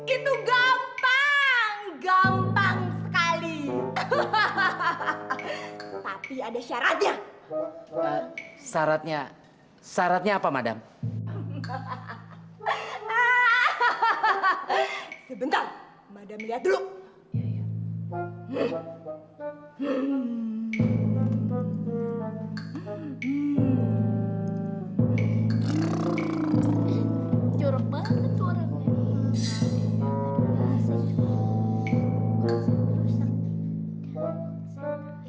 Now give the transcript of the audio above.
itu gampang gampang sekali hahaha tapi ada syaratnya syaratnya syaratnya apa madam